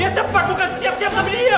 iya tepat bukan siap siap tapi iya